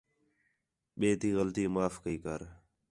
ٻئے تی غلطی معاف کَئی کر